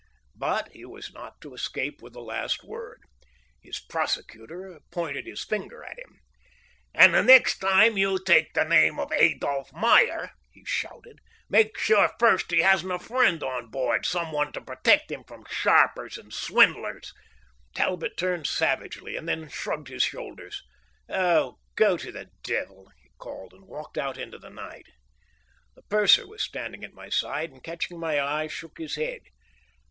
But he was not to escape with the last word. His prosecutor pointed his finger at him. "And the next time you take the name of Adolph Meyer," he shouted, "make sure first he hasn't a friend on board; some one to protect him from sharpers and swindlers " Talbot turned savagely and then shrugged his shoulders. "Oh, go to the devil!" he called, and walked out into the night. The purser was standing at my side and, catching my eye, shook his head.